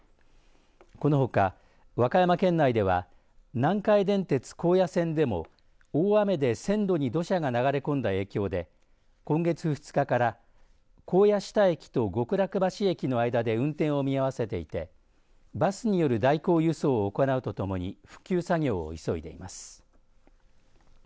このほか和歌山県内では南海電鉄高野線でも大雨で線路に土砂が流れ込んだ影響で今月２日から高野下駅と極楽橋駅の間で運転を見合わせていてバスによる代行輸送を行うとともに復旧作業を急いでいます。